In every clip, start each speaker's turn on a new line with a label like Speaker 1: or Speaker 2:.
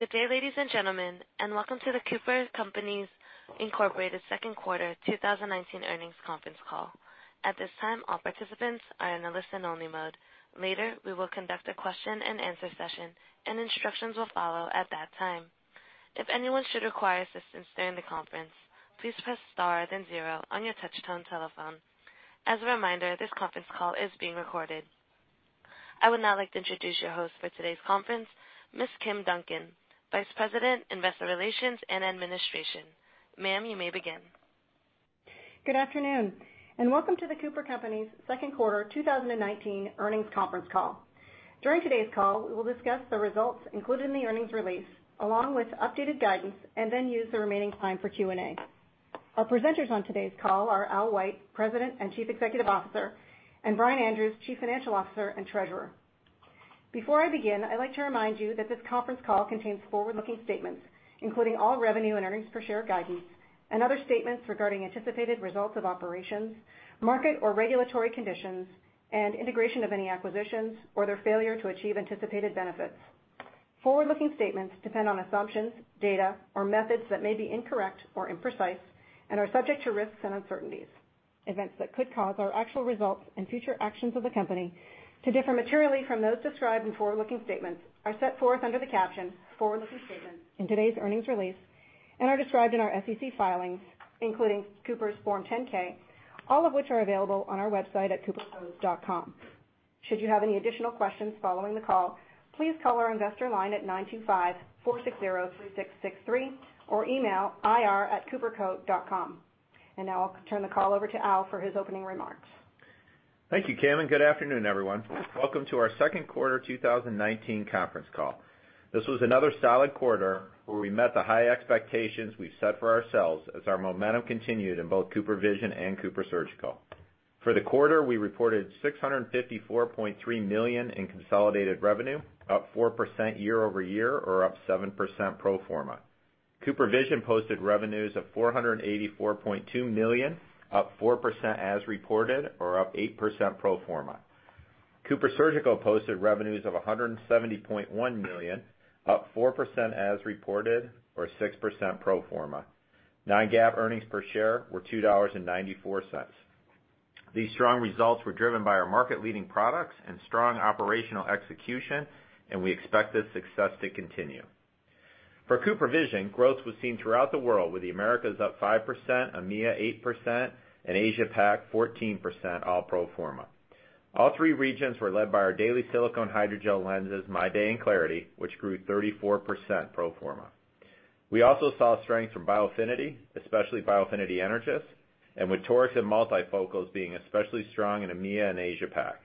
Speaker 1: Good day, ladies and gentlemen, and welcome to The Cooper Companies Incorporated second quarter 2019 earnings conference call. At this time, all participants are in a listen-only mode. Later, we will conduct a question and answer session, and instructions will follow at that time. If anyone should require assistance during the conference, please press star then zero on your touchtone telephone. As a reminder, this conference call is being recorded. I would now like to introduce your host for today's conference, Ms. Kim Duncan, Vice President, Investor Relations and Administration. Ma'am, you may begin.
Speaker 2: Good afternoon, welcome to The Cooper Companies second quarter 2019 earnings conference call. During today's call, we will discuss the results included in the earnings release, along with updated guidance, then use the remaining time for Q&A. Our presenters on today's call are Al White, President and Chief Executive Officer, and Brian Andrews, Chief Financial Officer and Treasurer. Before I begin, I'd like to remind you that this conference call contains forward-looking statements, including all revenue and earnings per share guidance and other statements regarding anticipated results of operations, market or regulatory conditions, and integration of any acquisitions or their failure to achieve anticipated benefits. Forward-looking statements depend on assumptions, data, or methods that may be incorrect or imprecise and are subject to risks and uncertainties. Events that could cause our actual results and future actions of the company to differ materially from those described in forward-looking statements are set forth under the caption Forward-Looking Statements in today's earnings release and are described in our SEC filings, including Cooper's Form 10-K, all of which are available on our website at cooperco.com. Should you have any additional questions following the call, please call our investor line at 925-460-3663 or email ir@cooperco.com. Now I'll turn the call over to Al for his opening remarks.
Speaker 3: Thank you, Kim, good afternoon, everyone. Welcome to our second quarter 2019 conference call. This was another solid quarter where we met the high expectations we've set for ourselves as our momentum continued in both CooperVision and CooperSurgical. For the quarter, we reported $654.3 million in consolidated revenue, up 4% year-over-year or up 7% pro forma. CooperVision posted revenues of $484.2 million, up 4% as reported or up 8% pro forma. CooperSurgical posted revenues of $170.1 million, up 4% as reported or 6% pro forma. Non-GAAP earnings per share were $2.94. These strong results were driven by our market-leading products and strong operational execution, we expect this success to continue. For CooperVision, growth was seen throughout the world, with the Americas up 5%, EMEA 8%, and Asia-Pac 14%, all pro forma. All three regions were led by our daily silicone hydrogel lenses, MyDay and clariti, which grew 34% pro forma. We also saw strength from Biofinity, especially Biofinity Energys, and with torics and multifocals being especially strong in EMEA and Asia-Pac.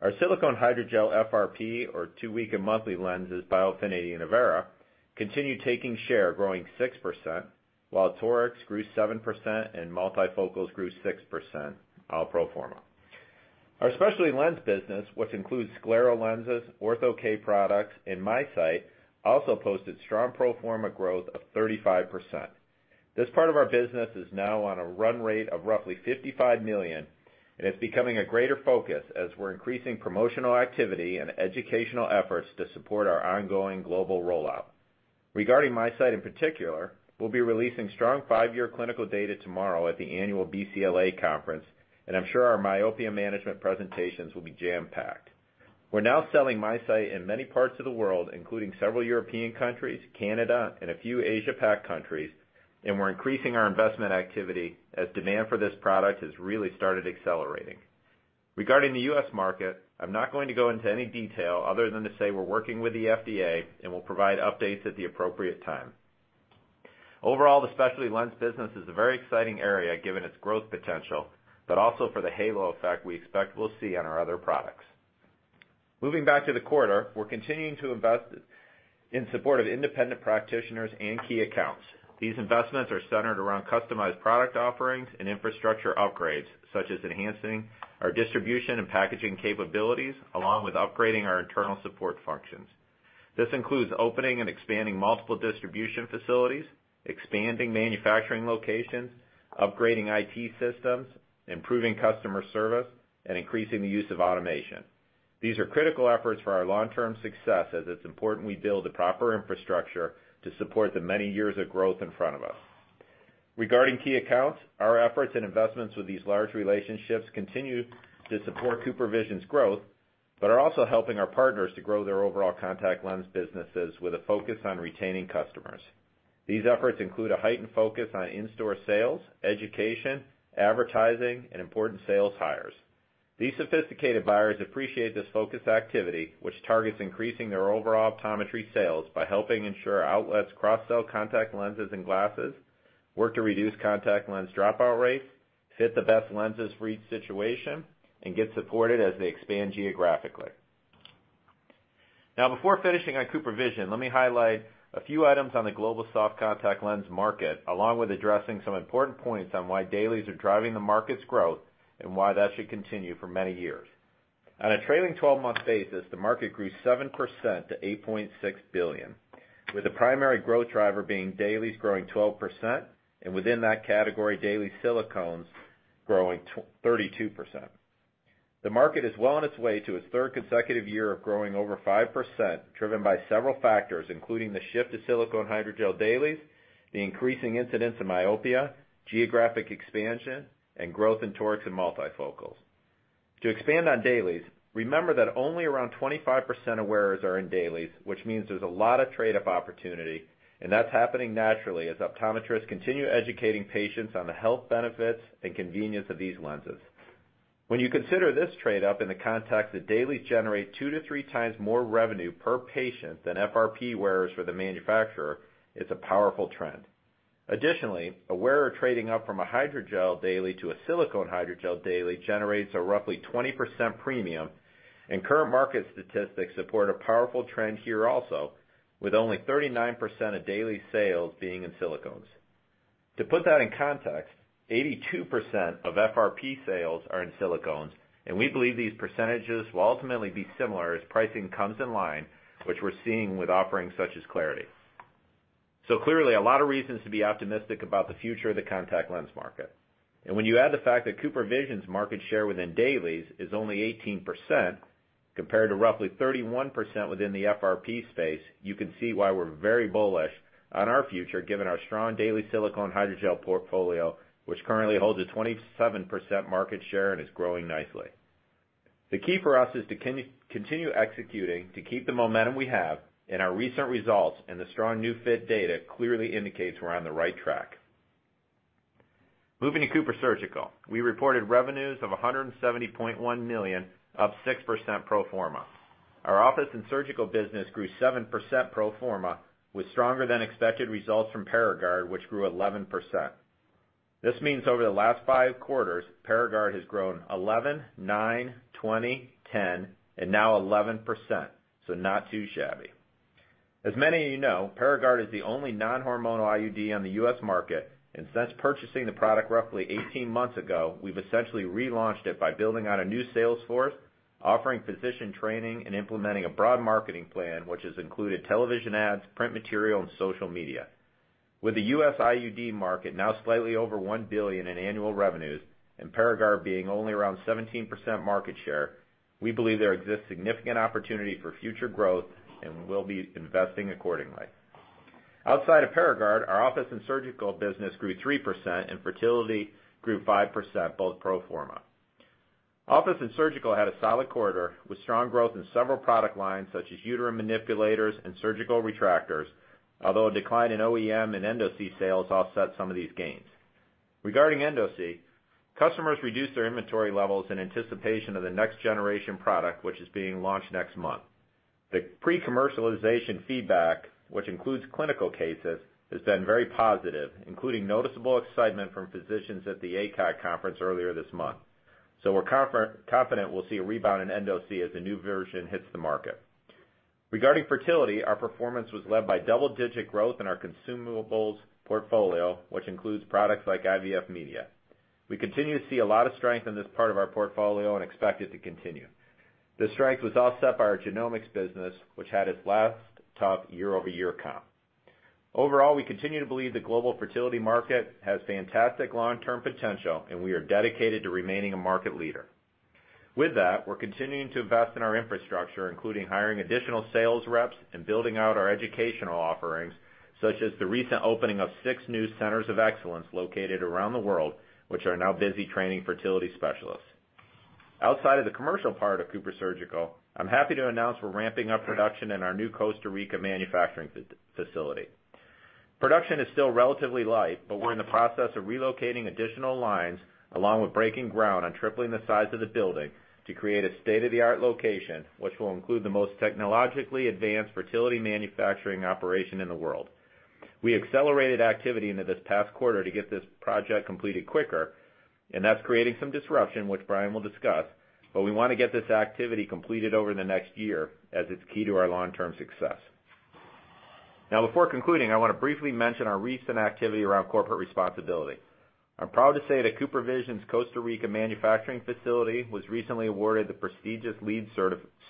Speaker 3: Our silicone hydrogel FRP or 2-week and monthly lenses, Biofinity and Avaira, continued taking share, growing 6%, while torics grew 7% and multifocals grew 6%, all pro forma. Our specialty lens business, which includes scleral lenses, ortho-k products, and MiSight, also posted strong pro forma growth of 35%. This part of our business is now on a run rate of roughly 55 million, and it's becoming a greater focus as we're increasing promotional activity and educational efforts to support our ongoing global rollout. Regarding MiSight in particular, we'll be releasing strong 5-year clinical data tomorrow at the annual BCLA conference, and I'm sure our myopia management presentations will be jam-packed. We're now selling MiSight in many parts of the world, including several European countries, Canada, and a few Asia-Pac countries, and we're increasing our investment activity as demand for this product has really started accelerating. Regarding the U.S. market, I'm not going to go into any detail other than to say we're working with the FDA and will provide updates at the appropriate time. Overall, the specialty lens business is a very exciting area, given its growth potential, but also for the halo effect we expect we'll see on our other products. Moving back to the quarter, we're continuing to invest in support of independent practitioners and key accounts. These investments are centered around customized product offerings and infrastructure upgrades, such as enhancing our distribution and packaging capabilities along with upgrading our internal support functions. This includes opening and expanding multiple distribution facilities, expanding manufacturing locations, upgrading IT systems, improving customer service, and increasing the use of automation. These are critical efforts for our long-term success, as it's important we build the proper infrastructure to support the many years of growth in front of us. Regarding key accounts, our efforts and investments with these large relationships continue to support CooperVision's growth, but are also helping our partners to grow their overall contact lens businesses with a focus on retaining customers. These efforts include a heightened focus on in-store sales, education, advertising, and important sales hires. These sophisticated buyers appreciate this focused activity, which targets increasing their overall optometry sales by helping ensure outlets cross-sell contact lenses and glasses, work to reduce contact lens dropout rates, fit the best lenses for each situation, and get supported as they expand geographically. Before finishing on CooperVision, let me highlight a few items on the global soft contact lens market, along with addressing some important points on why dailies are driving the market's growth and why that should continue for many years. On a trailing 12-month basis, the market grew 7% to $8.6 billion, with the primary growth driver being dailies growing 12%, and within that category, daily silicones growing 32%. The market is well on its way to its third consecutive year of growing over 5%, driven by several factors, including the shift to silicone hydrogel dailies, the increasing incidence of myopia, geographic expansion, and growth in torics and multifocals. To expand on dailies, remember that only around 25% of wearers are in dailies, which means there's a lot of trade-up opportunity, and that's happening naturally as optometrists continue educating patients on the health benefits and convenience of these lenses. When you consider this trade-up in the context that dailies generate two to three times more revenue per patient than FRP wearers for the manufacturer, it's a powerful trend. Additionally, a wearer trading up from a hydrogel daily to a silicone hydrogel daily generates a roughly 20% premium, and current market statistics support a powerful trend here also, with only 39% of daily sales being in silicones. To put that in context, 82% of FRP sales are in silicones, and we believe these percentages will ultimately be similar as pricing comes in line, which we're seeing with offerings such as clariti. Clearly, a lot of reasons to be optimistic about the future of the contact lens market. When you add the fact that CooperVision's market share within dailies is only 18%, compared to roughly 31% within the FRP space, you can see why we're very bullish on our future given our strong daily silicone hydrogel portfolio, which currently holds a 27% market share and is growing nicely. The key for us is to continue executing to keep the momentum we have, and our recent results and the strong new fit data clearly indicates we're on the right track. Moving to CooperSurgical. We reported revenues of $170.1 million, up 6% pro forma. Our office and surgical business grew 7% pro forma, with stronger-than-expected results from Paragard, which grew 11%. This means over the last five quarters, Paragard has grown 11%, 9%, 20%, 10%, and now 11%, not too shabby. As many of you know, Paragard is the only non-hormonal IUD on the U.S. market, and since purchasing the product roughly 18 months ago, we've essentially relaunched it by building out a new sales force, offering physician training, and implementing a broad marketing plan, which has included television ads, print material, and social media. With the U.S. IUD market now slightly over one billion in annual revenues and Paragard being only around 17% market share, we believe there exists significant opportunity for future growth, and we will be investing accordingly. Outside of Paragard, our office and surgical business grew 3%, and fertility grew 5%, both pro forma. Office and surgical had a solid quarter, with strong growth in several product lines, such as uterine manipulators and surgical retractors, although a decline in OEM and EndoSee sales offset some of these gains. Regarding EndoSee, customers reduced their inventory levels in anticipation of the next generation product, which is being launched next month. The pre-commercialization feedback, which includes clinical cases, has been very positive, including noticeable excitement from physicians at the ACOG conference earlier this month. We're confident we'll see a rebound in EndoSee as the new version hits the market. Regarding fertility, our performance was led by double-digit growth in our consumables portfolio, which includes products like IVF Media. We continue to see a lot of strength in this part of our portfolio and expect it to continue. This strength was offset by our genomics business, which had its last tough year-over-year comp. Overall, we continue to believe the global fertility market has fantastic long-term potential, and we are dedicated to remaining a market leader. With that, we're continuing to invest in our infrastructure, including hiring additional sales reps and building out our educational offerings, such as the recent opening of six new centers of excellence located around the world, which are now busy training fertility specialists. Outside of the commercial part of CooperSurgical, I'm happy to announce we're ramping up production in our new Costa Rica manufacturing facility. Production is still relatively light, but we're in the process of relocating additional lines, along with breaking ground on tripling the size of the building to create a state-of-the-art location, which will include the most technologically advanced fertility manufacturing operation in the world. We accelerated activity into this past quarter to get this project completed quicker, and that's creating some disruption, which Brian will discuss, but we want to get this activity completed over the next year, as it's key to our long-term success. Now, before concluding, I want to briefly mention our recent activity around corporate responsibility. I'm proud to say that CooperVision's Costa Rica manufacturing facility was recently awarded the prestigious LEED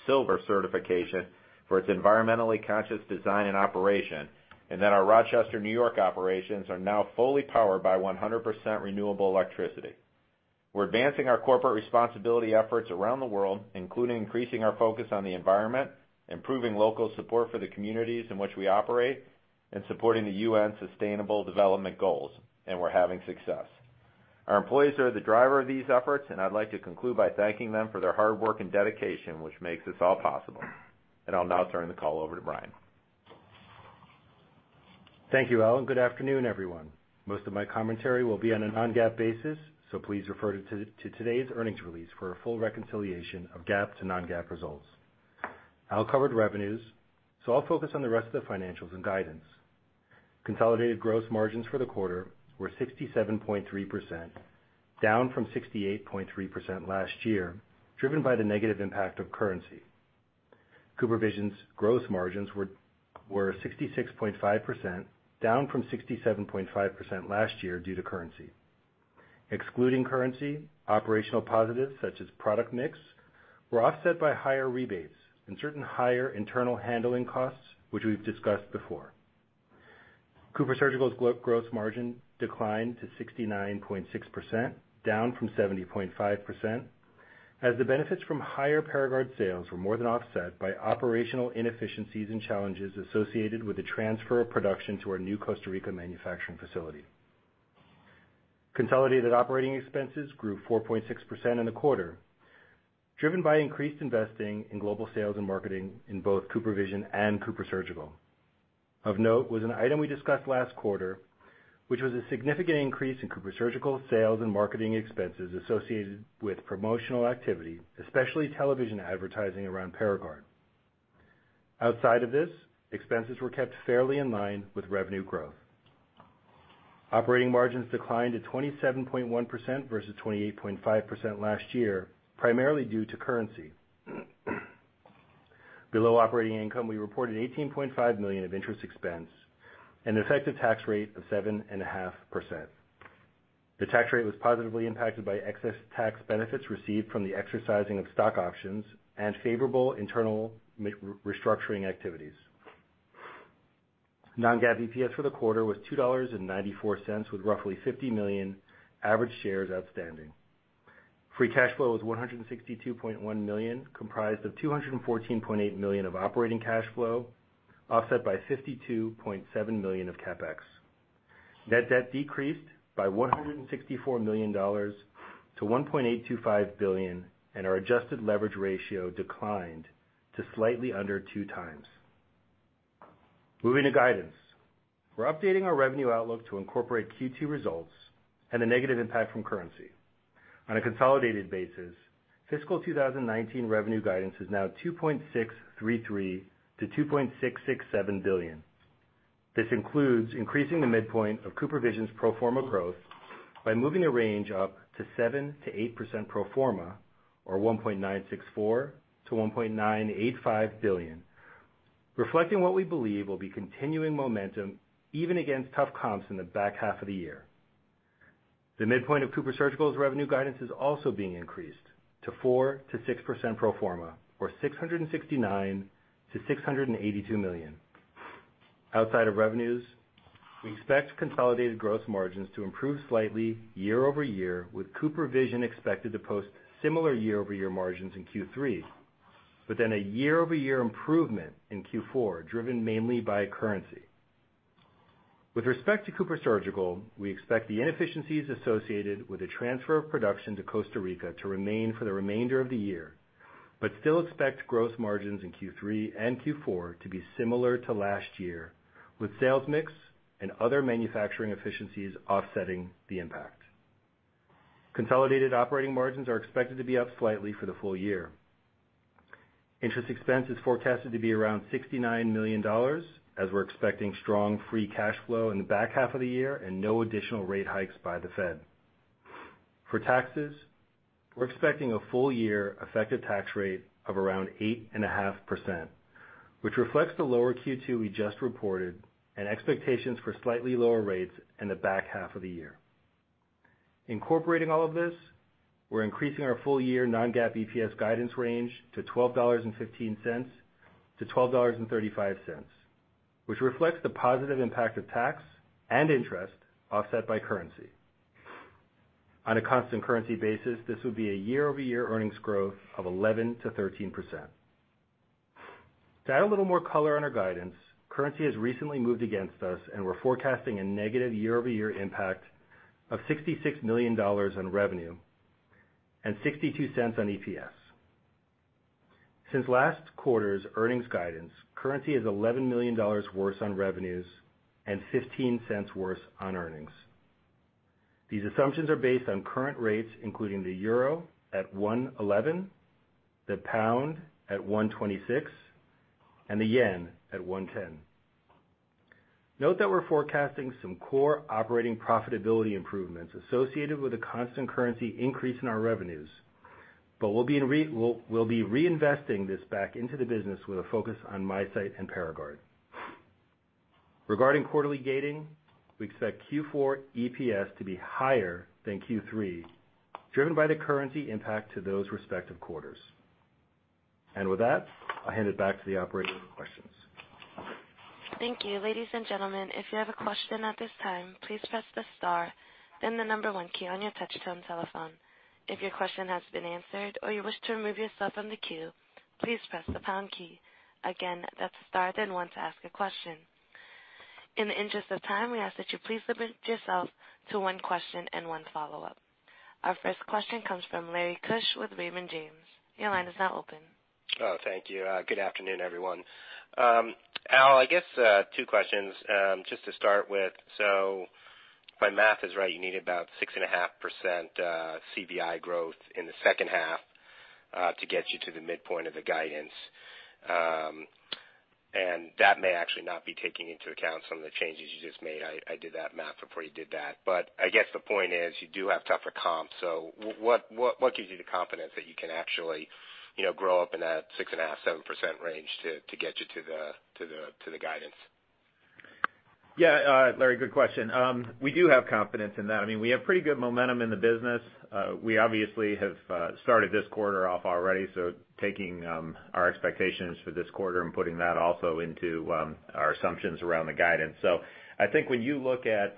Speaker 3: Silver certification for its environmentally conscious design and operation, and that our Rochester, N.Y. operations are now fully powered by 100% renewable electricity. We're advancing our corporate responsibility efforts around the world, including increasing our focus on the environment, improving local support for the communities in which we operate, and supporting the UN's sustainable development goals, and we're having success. Our employees are the driver of these efforts, and I'd like to conclude by thanking them for their hard work and dedication, which makes this all possible. I'll now turn the call over to Brian.
Speaker 4: Thank you, Al. Good afternoon, everyone. Most of my commentary will be on a non-GAAP basis, so please refer to today's earnings release for a full reconciliation of GAAP to non-GAAP results. Al covered revenues, so I'll focus on the rest of the financials and guidance. Consolidated gross margins for the quarter were 67.3%, down from 68.3% last year, driven by the negative impact of currency. CooperVision's gross margins were 66.5%, down from 67.5% last year due to currency. Excluding currency, operational positives such as product mix were offset by higher rebates and certain higher internal handling costs, which we've discussed before. CooperSurgical's gross margin declined to 69.6%, down from 70.5%, as the benefits from higher Paragard sales were more than offset by operational inefficiencies and challenges associated with the transfer of production to our new Costa Rica manufacturing facility. Consolidated operating expenses grew 4.6% in the quarter, driven by increased investing in global sales and marketing in both CooperVision and CooperSurgical. Of note was an item we discussed last quarter, which was a significant increase in CooperSurgical sales and marketing expenses associated with promotional activity, especially television advertising around Paragard. Outside of this, expenses were kept fairly in line with revenue growth. Operating margins declined to 27.1% versus 28.5% last year, primarily due to currency. Below operating income, we reported $18.5 million of interest expense and an effective tax rate of 7.5%. The tax rate was positively impacted by excess tax benefits received from the exercising of stock options and favorable internal restructuring activities. Non-GAAP EPS for the quarter was $2.94, with roughly 50 million average shares outstanding. Free cash flow was $162.1 million, comprised of $214.8 million of operating cash flow, offset by $52.7 million of CapEx. Net debt decreased by $164 million to $1.825 billion, and our adjusted leverage ratio declined to slightly under two times. Moving to guidance. We are updating our revenue outlook to incorporate Q2 results and the negative impact from currency. On a consolidated basis, fiscal 2019 revenue guidance is now $2.633 billion-$2.667 billion. This includes increasing the midpoint of CooperVision's pro forma growth by moving the range up to 7%-8% pro forma, or $1.964 billion-$1.985 billion, reflecting what we believe will be continuing momentum even against tough comps in the back half of the year. The midpoint of CooperSurgical's revenue guidance is also being increased to 4%-6% pro forma, or $669 million-$682 million. Outside of revenues, we expect consolidated growth margins to improve slightly year-over-year, with CooperVision expected to post similar year-over-year margins in Q3, then a year-over-year improvement in Q4, driven mainly by currency. With respect to CooperSurgical, we expect the inefficiencies associated with the transfer of production to Costa Rica to remain for the remainder of the year, still expect growth margins in Q3 and Q4 to be similar to last year, with sales mix and other manufacturing efficiencies offsetting the impact. Consolidated operating margins are expected to be up slightly for the full year. Interest expense is forecasted to be around $69 million, as we are expecting strong free cash flow in the back half of the year and no additional rate hikes by the Fed. For taxes, we are expecting a full-year effective tax rate of around 8.5%, which reflects the lower Q2 we just reported and expectations for slightly lower rates in the back half of the year. Incorporating all of this, we are increasing our full-year non-GAAP EPS guidance range to $12.15-$12.35, which reflects the positive impact of tax and interest offset by currency. On a constant currency basis, this would be a year-over-year earnings growth of 11%-13%. To add a little more color on our guidance, currency has recently moved against us, we are forecasting a negative year-over-year impact of $66 million on revenue and $0.62 on EPS. Since last quarter's earnings guidance, currency is $11 million worse on revenues and $0.15 worse on earnings. These assumptions are based on current rates, including the euro at 111, the pound at 126, and the yen at 110. Note that we are forecasting some core operating profitability improvements associated with a constant currency increase in our revenues, we will be reinvesting this back into the business with a focus on MiSight and Paragard. Regarding quarterly gating, we expect Q4 EPS to be higher than Q3, driven by the currency impact to those respective quarters. With that, I hand it back to the operator for questions.
Speaker 1: Thank you. Ladies and gentlemen, if you have a question at this time, please press the star then the number one key on your touchtone telephone. If your question has been answered or you wish to remove yourself from the queue, please press the pound key. Again, that's star then one to ask a question. In the interest of time, we ask that you please limit yourself to one question and one follow-up. Our first question comes from Lawrence Keusch with Raymond James. Your line is now open.
Speaker 5: Oh, thank you. Good afternoon, everyone. Al, I guess two questions. Just to start with, if my math is right, you need about 6.5% CVI growth in the second half to get you to the midpoint of the guidance. That may actually not be taking into account some of the changes you just made. I did that math before you did that. I guess the point is you do have tougher comps. What gives you the confidence that you can actually grow up in that 6.5%, 7% range to get you to the guidance?
Speaker 4: Yeah, Larry, good question. We do have confidence in that. We have pretty good momentum in the business. We obviously have started this quarter off already, taking our expectations for this quarter and putting that also into our assumptions around the guidance. I think when you look at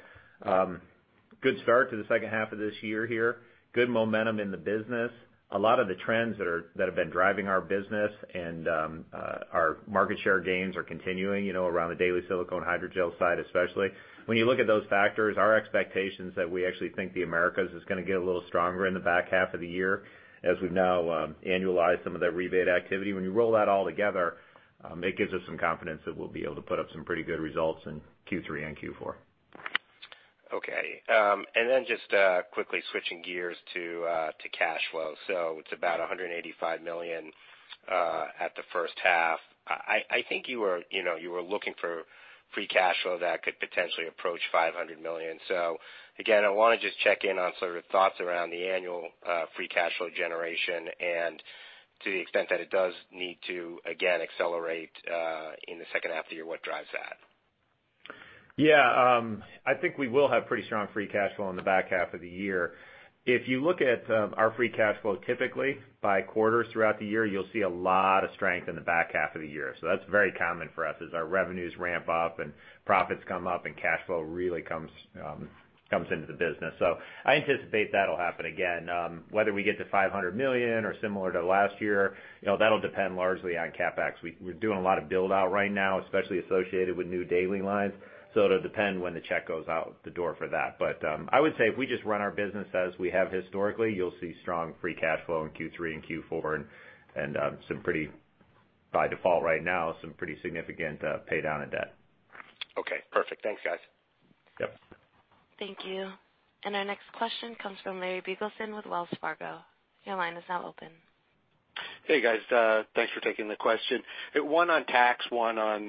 Speaker 3: Good start to the second half of this year here. Good momentum in the business. A lot of the trends that have been driving our business and our market share gains are continuing around the daily silicone hydrogel side, especially. When you look at those factors, our expectation's that we actually think the Americas is going to get a little stronger in the back half of the year as we now annualize some of that rebate activity. When you roll that all together, it gives us some confidence that we'll be able to put up some pretty good results in Q3 and Q4.
Speaker 5: Okay. Then just quickly switching gears to cash flow. It's about $185 million at the first half. I think you were looking for free cash flow that could potentially approach $500 million. Again, I want to just check in on sort of thoughts around the annual free cash flow generation and to the extent that it does need to, again, accelerate in the second half of the year, what drives that?
Speaker 3: Yeah. I think we will have pretty strong free cash flow in the back half of the year. If you look at our free cash flow typically by quarters throughout the year, you'll see a lot of strength in the back half of the year. That's very common for us as our revenues ramp up and profits come up and cash flow really comes into the business. I anticipate that'll happen again. Whether we get to $500 million or similar to last year, that'll depend largely on CapEx. We're doing a lot of build-out right now, especially associated with new daily lines. It'll depend when the check goes out the door for that. I would say if we just run our business as we have historically, you'll see strong free cash flow in Q3 and Q4 and, by default right now, some pretty significant pay-down of debt.
Speaker 5: Okay, perfect. Thanks, guys.
Speaker 3: Yep.
Speaker 1: Thank you. Our next question comes from Larry Biegelsen with Wells Fargo. Your line is now open.
Speaker 6: Hey, guys. Thanks for taking the question. One on tax, one on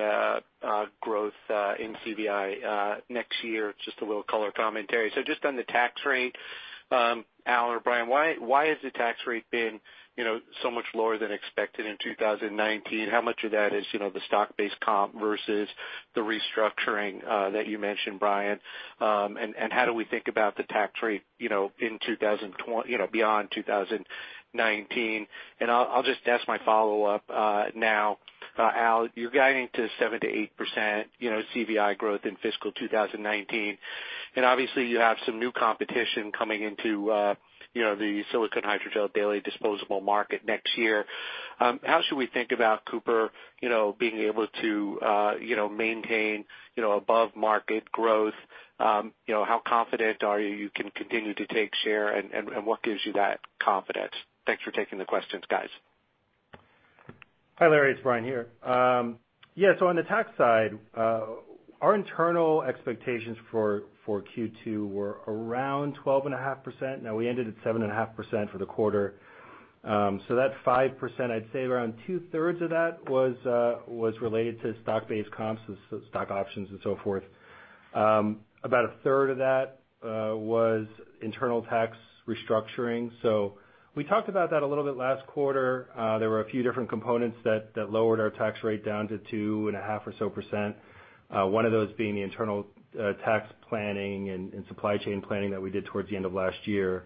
Speaker 6: growth in CVI next year. It's just a little color commentary. Just on the tax rate, Al or Brian, why has the tax rate been so much lower than expected in 2019? How much of that is the stock-based comp versus the restructuring that you mentioned, Brian? How do we think about the tax rate beyond 2019? I'll just ask my follow-up now. Al, you're guiding to 7%-8% CVI growth in fiscal 2019, and obviously you have some new competition coming into the silicone hydrogel daily disposable market next year. How should we think about Cooper being able to maintain above-market growth? How confident are you you can continue to take share, and what gives you that confidence? Thanks for taking the questions, guys.
Speaker 4: Hi, Larry, it's Brian here. Yeah, on the tax side, our internal expectations for Q2 were around 12.5%. Now we ended at 7.5% for the quarter. That 5%, I'd say around two-thirds of that was related to stock-based comps, stock options and so forth. About a third of that was internal tax restructuring. We talked about that a little bit last quarter. There were a few different components that lowered our tax rate down to 2.5% or so. One of those being the internal tax planning and supply chain planning that we did towards the end of last year.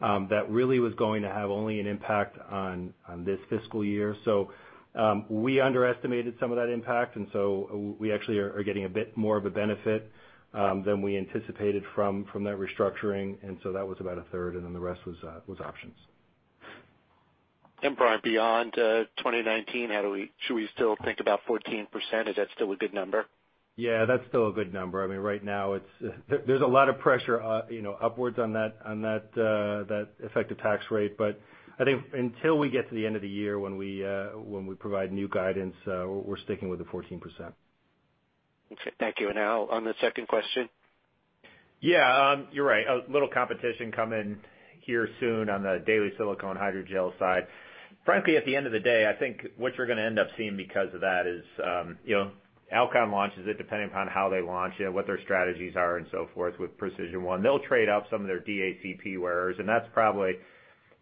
Speaker 4: That really was going to have only an impact on this fiscal year. We underestimated some of that impact, and we actually are getting a bit more of a benefit than we anticipated from that restructuring. That was about a third, and then the rest was options.
Speaker 6: Brian, beyond 2019, should we still think about 14%? Is that still a good number?
Speaker 4: That's still a good number. Right now, there's a lot of pressure upwards on that effective tax rate. I think until we get to the end of the year when we provide new guidance, we're sticking with the 14%.
Speaker 6: Thank you. Al, on the second question.
Speaker 3: You're right. A little competition coming here soon on the daily silicone hydrogel side. Frankly, at the end of the day, I think what you're going to end up seeing because of that is Alcon launches it depending upon how they launch it, what their strategies are and so forth with PRECISION1. They'll trade up some of their DACP wearers, and that's probably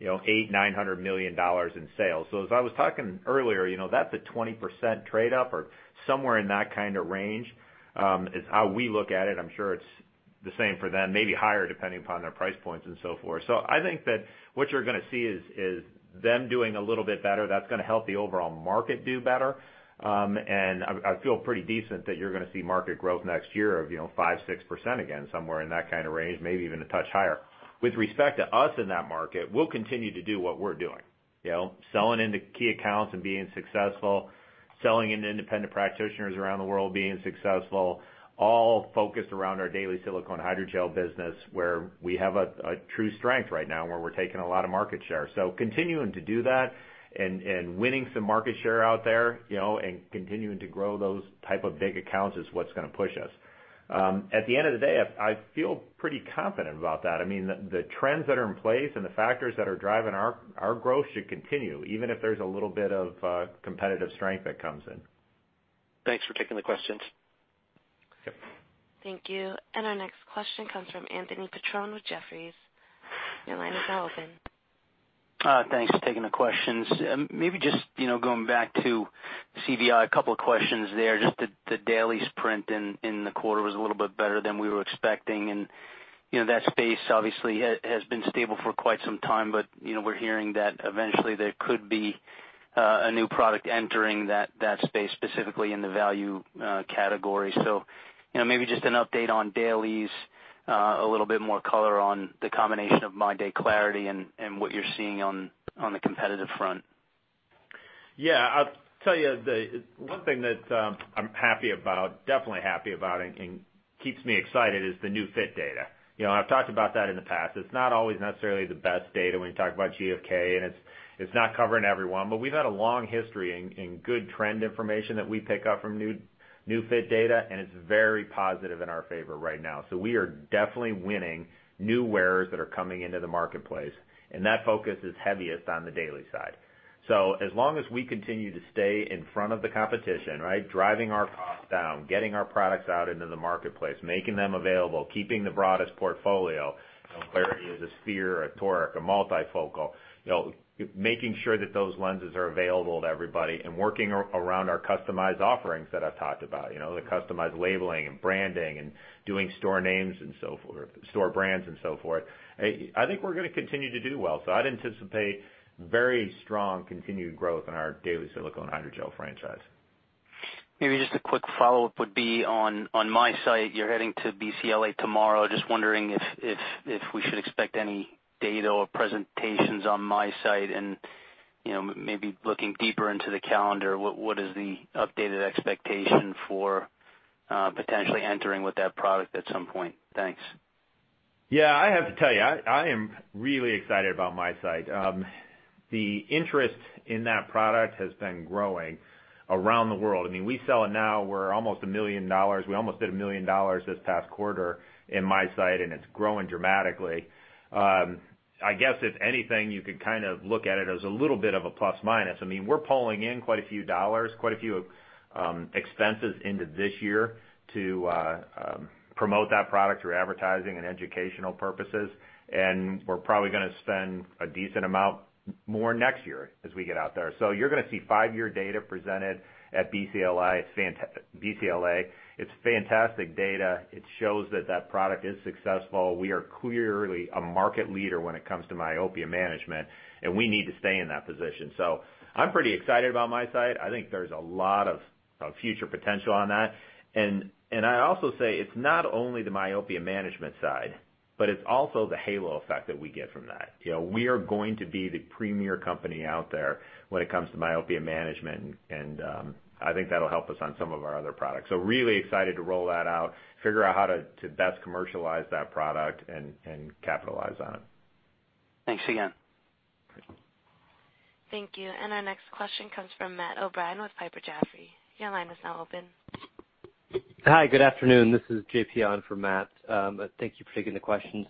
Speaker 3: $800, $900 million in sales. As I was talking earlier, that's a 20% trade up or somewhere in that kind of range, is how we look at it. I'm sure it's the same for them, maybe higher, depending upon their price points and so forth. I think that what you're going to see is them doing a little bit better. That's going to help the overall market do better. I feel pretty decent that you're going to see market growth next year of 5%-6% again, somewhere in that kind of range, maybe even a touch higher. With respect to us in that market, we'll continue to do what we're doing. Selling into key accounts and being successful, selling into independent practitioners around the world, being successful, all focused around our daily silicone hydrogel business, where we have a true strength right now, where we're taking a lot of market share. Continuing to do that and winning some market share out there, and continuing to grow those type of big accounts is what's going to push us. At the end of the day, I feel pretty confident about that. The trends that are in place and the factors that are driving our growth should continue, even if there's a little bit of competitive strength that comes in.
Speaker 6: Thanks for taking the questions.
Speaker 3: Yep.
Speaker 1: Thank you. Our next question comes from Anthony Petrone with Jefferies. Your line is now open.
Speaker 7: Thanks for taking the questions. Maybe just going back to CVI, a couple of questions there. Just the dailies print in the quarter was a little bit better than we were expecting, and that space obviously has been stable for quite some time, but we're hearing that eventually there could be a new product entering that space, specifically in the value category. Maybe just an update on dailies, a little more color on the combination of MyDay clariti and what you're seeing on the competitive front.
Speaker 3: Yeah. I'll tell you, the one thing that I'm happy about, definitely happy about and keeps me excited is the New Fit data. I've talked about that in the past. It's not always necessarily the best data when you talk about GfK, and it's not covering everyone. We've had a long history in good trend information that we pick up from New Fit data, and it's very positive in our favor right now. We are definitely winning new wearers that are coming into the marketplace, and that focus is heaviest on the daily side. As long as we continue to stay in front of the competition, right, driving our costs down, getting our products out into the marketplace, making them available, keeping the broadest portfolio, clariti is a sphere, a toric, a multifocal, making sure that those lenses are available to everybody and working around our customized offerings that I've talked about, the customized labeling and branding and doing store names and so forth, store brands and so forth. I think we're going to continue to do well. I'd anticipate very strong continued growth in our daily silicone hydrogel franchise.
Speaker 7: Maybe just a quick follow-up would be on MiSight. You're heading to BCLA tomorrow. Just wondering if we should expect any data or presentations on MiSight and maybe looking deeper into the calendar, what is the updated expectation for potentially entering with that product at some point? Thanks.
Speaker 3: Yeah, I have to tell you, I am really excited about MiSight. The interest in that product has been growing around the world. We sell it now, we're almost $1 million. We almost did $1 million this past quarter in MiSight, and it's growing dramatically. I guess if anything, you could kind of look at it as a little bit of a plus/minus. We're pulling in quite a few dollars, quite a few expenses into this year to promote that product through advertising and educational purposes. We're probably going to spend a decent amount more next year as we get out there. You're going to see five-year data presented at BCLA. It's fantastic data. It shows that product is successful. We are clearly a market leader when it comes to myopia management, and we need to stay in that position. I'm pretty excited about MiSight. I think there's a lot of future potential on that. I also say it's not only the myopia management side, but it's also the halo effect that we get from that. We are going to be the premier company out there when it comes to myopia management, I think that'll help us on some of our other products. Really excited to roll that out, figure out how to best commercialize that product and capitalize on it.
Speaker 7: Thanks again.
Speaker 1: Thank you. Our next question comes from Matthew O'Brien with Piper Jaffray. Your line is now open.
Speaker 8: Hi, good afternoon. This is JP on for Matt. Thank you for taking the questions.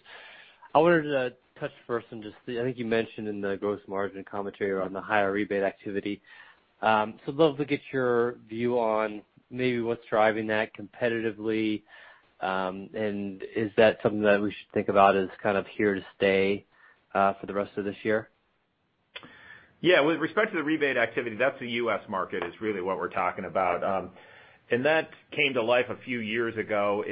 Speaker 8: I wanted to touch first on just the, I think you mentioned in the gross margin commentary on the higher rebate activity. I'd love to get your view on maybe what's driving that competitively, is that something that we should think about as kind of here to stay for the rest of this year?
Speaker 3: Yeah. With respect to the rebate activity, that's the U.S. market is really what we're talking about. That came to life a few years ago.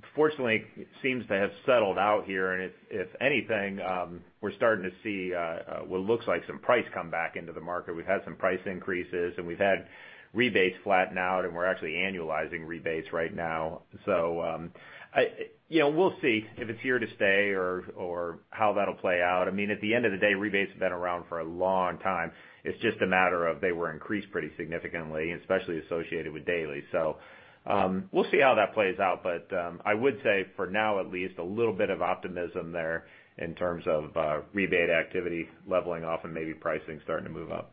Speaker 3: It fortunately seems to have settled out here. If anything, we're starting to see what looks like some price come back into the market. We've had some price increases. We've had rebates flatten out, and we're actually annualizing rebates right now. We'll see if it's here to stay or how that'll play out. At the end of the day, rebates have been around for a long time. It's just a matter of they were increased pretty significantly, especially associated with daily. We'll see how that plays out. I would say for now at least, a little bit of optimism there in terms of rebate activity leveling off and maybe pricing starting to move up.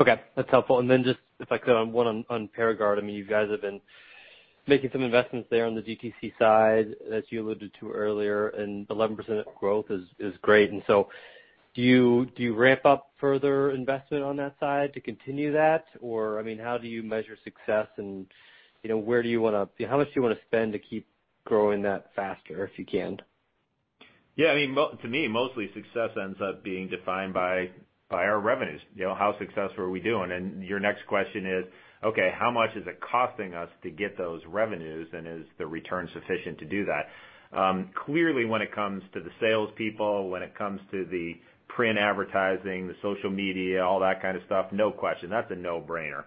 Speaker 8: Okay. That's helpful. Just if I could on one on Paragard. You guys have been making some investments there on the DTC side as you alluded to earlier. 11% growth is great. Do you ramp up further investment on that side to continue that? How do you measure success and how much do you want to spend to keep growing that faster, if you can?
Speaker 3: Yeah. To me, mostly success ends up being defined by our revenues. How successful are we doing? Your next question is, okay, how much is it costing us to get those revenues, and is the return sufficient to do that? Clearly, when it comes to the salespeople, when it comes to the print advertising, the social media, all that kind of stuff, no question. That's a no-brainer.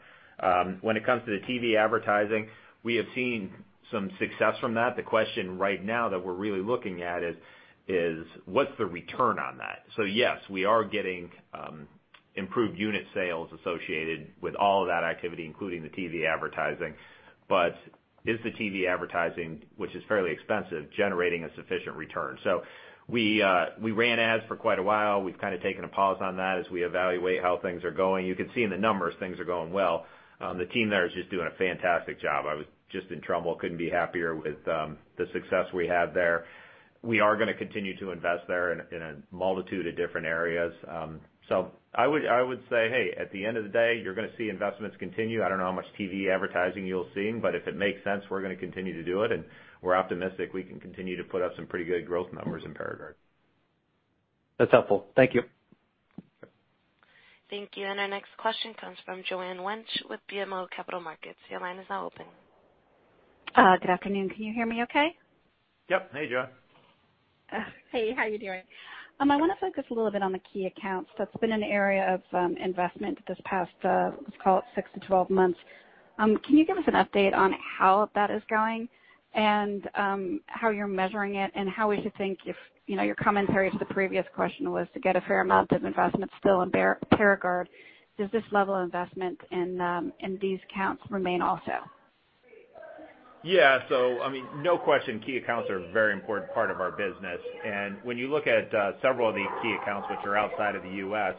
Speaker 3: When it comes to the TV advertising, we have seen some success from that. The question right now that we're really looking at is what's the return on that? Yes, we are getting improved unit sales associated with all of that activity, including the TV advertising. Is the TV advertising, which is fairly expensive, generating a sufficient return? We ran ads for quite a while. We've kind of taken a pause on that as we evaluate how things are going. You can see in the numbers things are going well. The team there is just doing a fantastic job. I was just in trouble. Couldn't be happier with the success we have there. We are going to continue to invest there in a multitude of different areas. I would say, hey, at the end of the day, you're going to see investments continue. I don't know how much TV advertising you'll see. If it makes sense, we're going to continue to do it, and we're optimistic we can continue to put up some pretty good growth numbers in Paragard.
Speaker 8: That's helpful. Thank you.
Speaker 1: Thank you. Our next question comes from Joanne Wuensch with BMO Capital Markets. Your line is now open.
Speaker 9: Good afternoon. Can you hear me okay?
Speaker 3: Yep. Hey, Joanne.
Speaker 9: Hey, how are you doing? I want to focus a little bit on the key accounts. That's been an area of investment this past, let's call it 6 to 12 months. Can you give us an update on how that is going, and how you're measuring it, and how we should think if your commentary to the previous question was to get a fair amount of investment still in Paragard, does this level of investment in these accounts remain also?
Speaker 3: Yeah. No question, key accounts are a very important part of our business. When you look at several of these key accounts which are outside of the U.S.,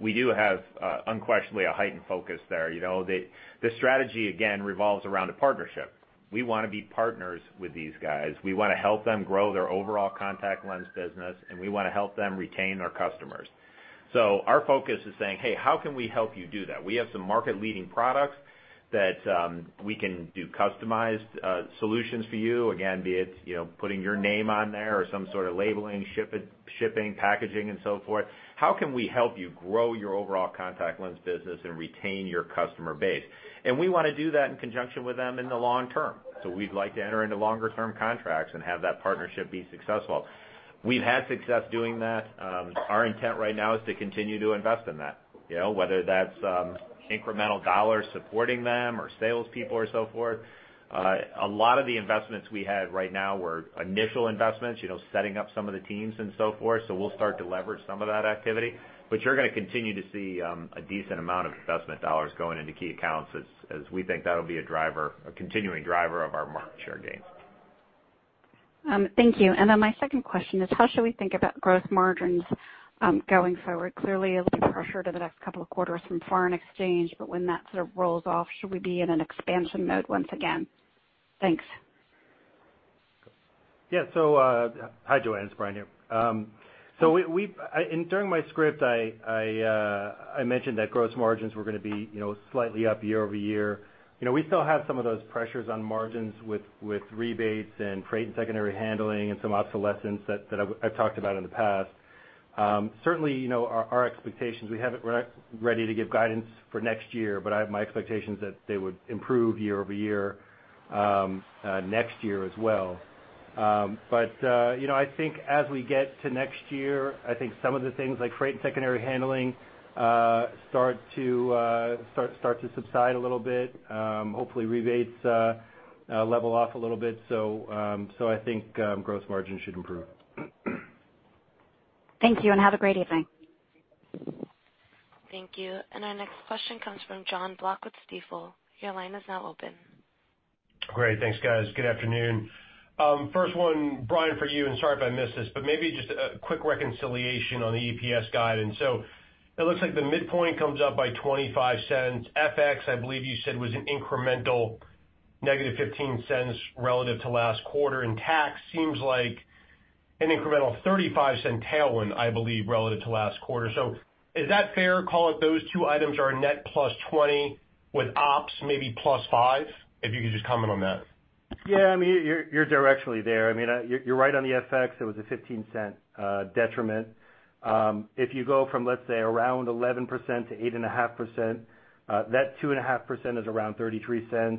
Speaker 3: we do have unquestionably a heightened focus there. The strategy, again, revolves around a partnership. We want to be partners with these guys. We want to help them grow their overall contact lens business, and we want to help them retain their customers. Our focus is saying, "Hey, how can we help you do that? We have some market-leading products that we can do customized solutions for you." Again, be it putting your name on there or some sort of labeling, shipping, packaging, and so forth. How can we help you grow your overall contact lens business and retain your customer base? We want to do that in conjunction with them in the long term. We'd like to enter into longer-term contracts and have that partnership be successful. We've had success doing that. Our intent right now is to continue to invest in that. Whether that's incremental dollars supporting them or salespeople or so forth. A lot of the investments we had right now were initial investments, setting up some of the teams and so forth. We'll start to leverage some of that activity. You're going to continue to see a decent amount of investment dollars going into key accounts, as we think that'll be a continuing driver of our market share gains.
Speaker 9: Thank you. My second question is how should we think about growth margins going forward? Clearly a little pressure to the next couple of quarters from foreign exchange, when that sort of rolls off, should we be in an expansion mode once again? Thanks.
Speaker 4: Hi Joanne, it's Brian here. During my script, I mentioned that gross margins were going to be slightly up year-over-year. We still have some of those pressures on margins with rebates and freight and secondary handling and some obsolescence that I've talked about in the past. Certainly, our expectations, we're not ready to give guidance for next year, my expectation is that they would improve year-over-year next year as well. I think as we get to next year, I think some of the things like freight and secondary handling start to subside a little bit. Hopefully rebates level off a little bit. I think gross margin should improve.
Speaker 9: Thank you, have a great evening.
Speaker 1: Thank you. Our next question comes from Jon Block with Stifel. Your line is now open.
Speaker 10: Great. Thanks, guys. Good afternoon. First one, Brian, for you, sorry if I missed this, maybe just a quick reconciliation on the EPS guidance. It looks like the midpoint comes up by $0.25. FX, I believe you said, was an incremental negative $0.15 relative to last quarter, tax seems like an incremental $0.35 tailwind, I believe, relative to last quarter. Is that fair, call it those two items are a net +$0.20 with ops maybe +$0.05? If you could just comment on that.
Speaker 4: You're directionally there. You're right on the FX, it was a $0.15 detriment. If you go from, let's say, around 11% to 8.5%, that 2.5% is around $0.33.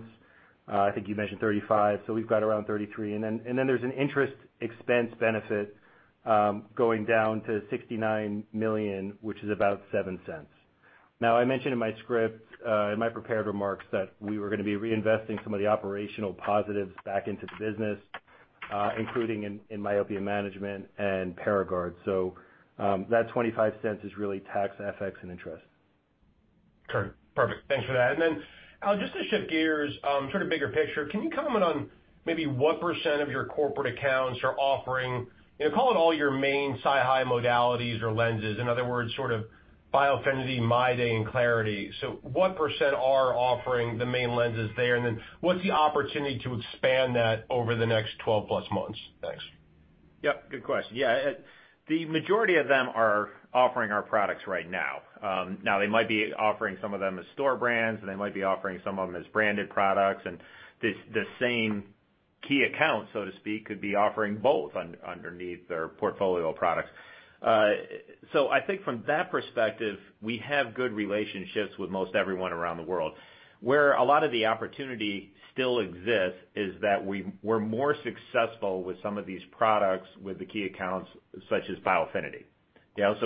Speaker 4: I think you mentioned 35, so we've got around 33. There's an interest expense benefit going down to $69 million, which is about $0.07. I mentioned in my script, in my prepared remarks, that we were going to be reinvesting some of the operational positives back into the business, including in myopia management and Paragard. That $0.25 is really tax, FX, and interest.
Speaker 10: Okay, perfect. Thanks for that. Then Al, just to shift gears, sort of bigger picture, can you comment on maybe what percent of your corporate accounts are offering, call it all your main SiHy modalities or lenses, in other words, sort of Biofinity, MyDay, and clariti. What percent are offering the main lenses there, and then what's the opportunity to expand that over the next 12+ months? Thanks.
Speaker 3: Yep, good question. Yeah. The majority of them are offering our products right now. They might be offering some of them as store brands, and they might be offering some of them as branded products. The same key account, so to speak, could be offering both underneath their portfolio of products. I think from that perspective, we have good relationships with most everyone around the world. Where a lot of the opportunity still exists is that we're more successful with some of these products with the key accounts such as Biofinity.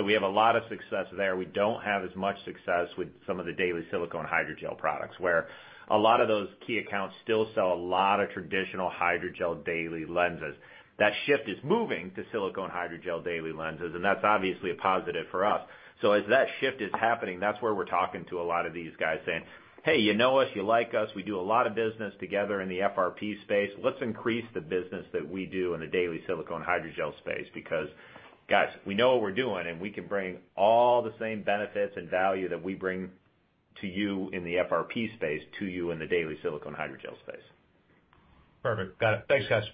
Speaker 3: We have a lot of success there. We don't have as much success with some of the daily silicone hydrogel products, where a lot of those key accounts still sell a lot of traditional hydrogel daily lenses. That shift is moving to silicone hydrogel daily lenses, and that's obviously a positive for us. As that shift is happening, that's where we're talking to a lot of these guys saying, "Hey, you know us, you like us. We do a lot of business together in the FRP space. Let's increase the business that we do in the daily silicone hydrogel space because, guys, we know what we're doing, and we can bring all the same benefits and value that we bring to you in the FRP space to you in the daily silicone hydrogel space.
Speaker 10: Perfect. Got it. Thanks, guys.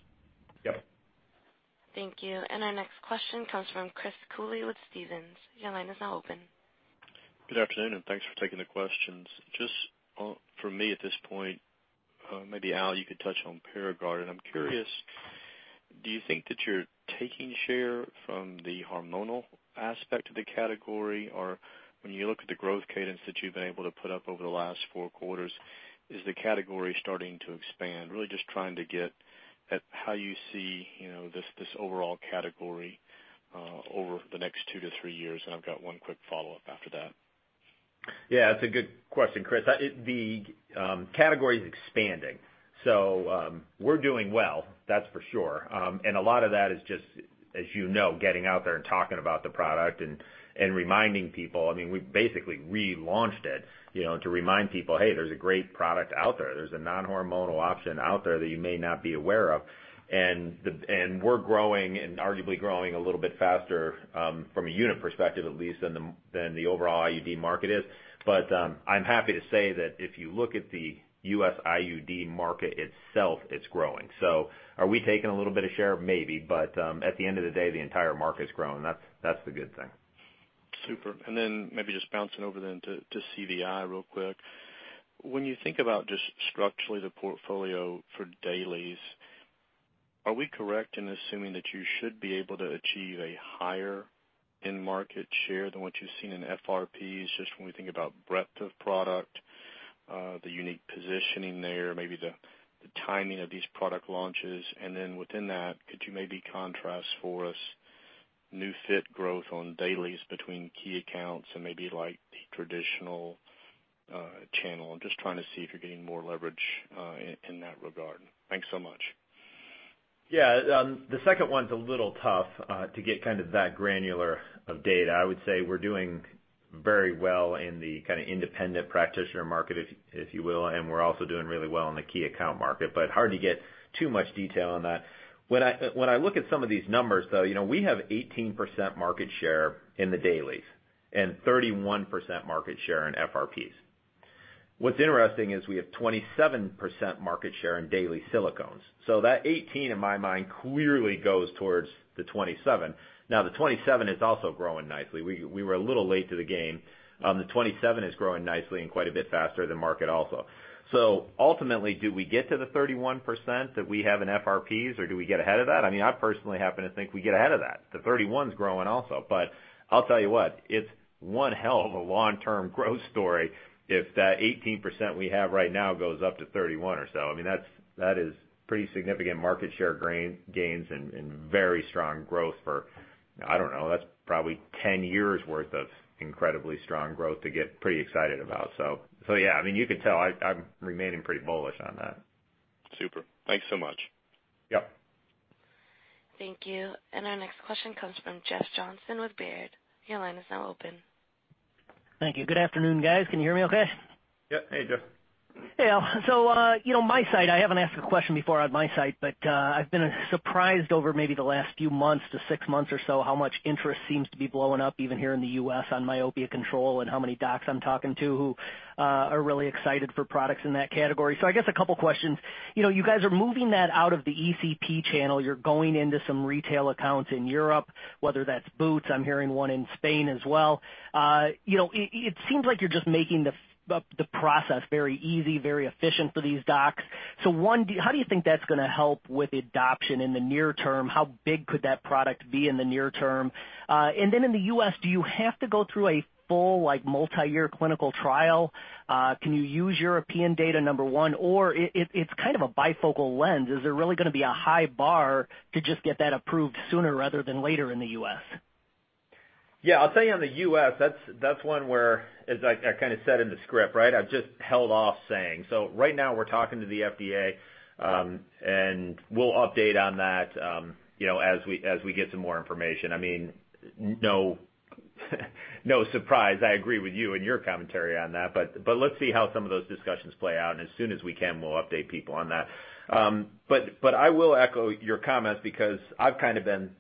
Speaker 3: Yep.
Speaker 1: Thank you. Our next question comes from Chris Cooley with Stephens. Your line is now open.
Speaker 11: Good afternoon, thanks for taking the questions. Just for me at this point, maybe Al, you could touch on Paragard, and I'm curious. Do you think that you're taking share from the hormonal aspect of the category? When you look at the growth cadence that you've been able to put up over the last four quarters, is the category starting to expand? Really just trying to get at how you see this overall category, over the next two to three years, I've got one quick follow-up after that.
Speaker 3: Yeah, that's a good question, Chris. The category is expanding, so we're doing well, that's for sure. A lot of that is just, as you know, getting out there and talking about the product and reminding people. We basically relaunched it, to remind people, "Hey, there's a great product out there. There's a non-hormonal option out there that you may not be aware of." We're growing, and arguably growing a little bit faster, from a unit perspective at least, than the overall IUD market is. I'm happy to say that if you look at the U.S. IUD market itself, it's growing. Are we taking a little bit of share? Maybe, but, at the end of the day, the entire market's growing. That's the good thing.
Speaker 11: Super. Maybe just bouncing over to CVI real quick. When you think about just structurally the portfolio for dailies, are we correct in assuming that you should be able to achieve a higher end market share than what you've seen in FRPs, just when we think about breadth of product, the unique positioning there, maybe the timing of these product launches? Within that, could you maybe contrast for us new fit growth on dailies between key accounts and maybe like the traditional channel? I'm just trying to see if you're getting more leverage, in that regard. Thanks so much.
Speaker 3: Yeah. The second one's a little tough, to get kind of that granular of data. I would say we're doing very well in the kind of independent practitioner market, if you will. We're also doing really well in the key account market, but hard to get too much detail on that. When I look at some of these numbers, though, we have 18% market share in the dailies and 31% market share in FRPs. What's interesting is we have 27% market share in daily silicones. That 18 in my mind clearly goes towards the 27. The 27 is also growing nicely. We were a little late to the game. The 27 is growing nicely and quite a bit faster than market also. Ultimately, do we get to the 31% that we have in FRPs or do we get ahead of that? I personally happen to think we get ahead of that. The 31's growing also. I'll tell you what, it's one hell of a long-term growth story if that 18% we have right now goes up to 31 or so. That is pretty significant market share gains and very strong growth for, I don't know, that's probably 10 years' worth of incredibly strong growth to get pretty excited about. Yeah, you can tell I'm remaining pretty bullish on that.
Speaker 11: Super. Thanks so much.
Speaker 3: Yep.
Speaker 1: Thank you. Our next question comes from Jeff Johnson with Baird. Your line is now open.
Speaker 12: Thank you. Good afternoon, guys. Can you hear me okay?
Speaker 3: Yep. Hey, Jeff.
Speaker 12: Hey, all. MiSight, I haven't asked a question before on MiSight, but, I've been surprised over maybe the last few months to six months or so how much interest seems to be blowing up, even here in the U.S., on myopia control, and how many docs I'm talking to who are really excited for products in that category. I guess a couple questions. You guys are moving that out of the ECP channel. You're going into some retail accounts in Europe, whether that's Boots, I'm hearing one in Spain as well. It seems like you're just making the process very easy, very efficient for these docs. One, how do you think that's going to help with adoption in the near term? How big could that product be in the near term? Then in the U.S., do you have to go through a full multi-year clinical trial? Can you use European data, number 1, or it's kind of a bifocal lens. Is there really going to be a high bar to just get that approved sooner rather than later in the U.S.?
Speaker 3: Yeah, I'll tell you on the U.S., that's one where, as I kind of said in the script, right? I've just held off saying. Right now we're talking to the FDA, and we'll update on that as we get some more information. No surprise, I agree with you and your commentary on that, but let's see how some of those discussions play out, and as soon as we can, we'll update people on that. I will echo your comments because I've kind of been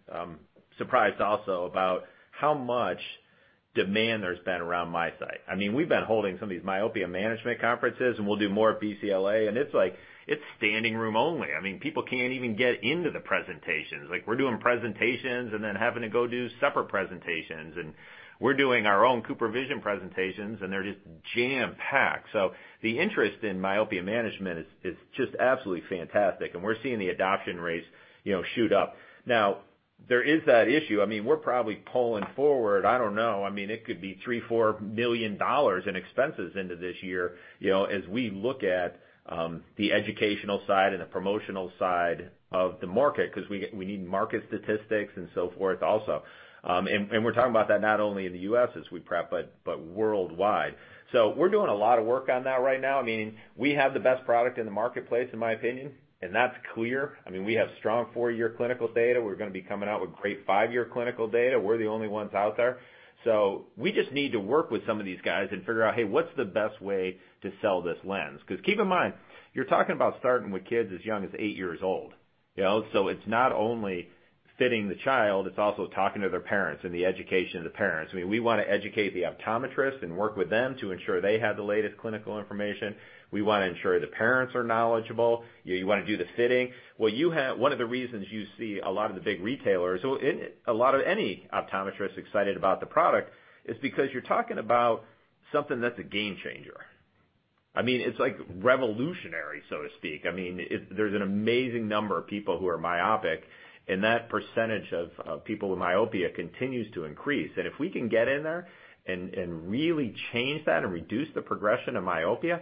Speaker 3: surprised also about how much demand there's been around MiSight. We've been holding some of these myopia management conferences, and we'll do more at BCLA, and it's like, it's standing room only. People can't even get into the presentations. We're doing presentations then having to go do separate presentations, and we're doing our own CooperVision presentations, and they're just jam-packed. The interest in myopia management is just absolutely fantastic, and we're seeing the adoption rates shoot up. Now, there is that issue. We're probably pulling forward, I don't know, it could be $3 million, $4 million in expenses into this year, as we look at the educational side and the promotional side of the market, because we need market statistics and so forth also. We're talking about that not only in the U.S. as we prep, but worldwide. We're doing a lot of work on that right now. We have the best product in the marketplace, in my opinion, and that's clear. We have strong 4-year clinicals data. We're going to be coming out with great 5-year clinical data. We're the only ones out there. We just need to work with some of these guys and figure out, "Hey, what's the best way to sell this lens?" Keep in mind, you're talking about starting with kids as young as 8 years old. It's not only fitting the child, it's also talking to their parents and the education of the parents. We want to educate the optometrists and work with them to ensure they have the latest clinical information. We want to ensure the parents are knowledgeable. You want to do the fitting. One of the reasons you see a lot of the big retailers, a lot of any optometrist excited about the product is because you're talking about something that's a game changer. It's like revolutionary, so to speak. There's an amazing number of people who are myopic, and that percentage of people with myopia continues to increase. If we can get in there and really change that and reduce the progression of myopia,